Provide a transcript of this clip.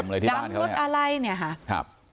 รถดำรถอะไรเนี่ยค่ะ